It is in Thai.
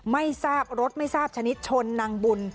ไม่ทราบรถไม่ทราบชนิดชนนางบุญ